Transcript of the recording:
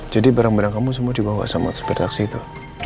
jadi barang barang kamu semua dibawa sama sepeda taksi itu